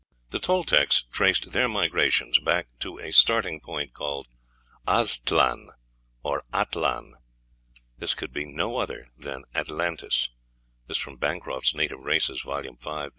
The Toltecs traced their migrations back to a starting point called "Aztlan," or "Atlan." This could be no other than, Atlantis. (Bancroft's "Native Races," vol. v., p.